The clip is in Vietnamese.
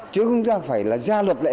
chứ không ra phải là ra luật lệ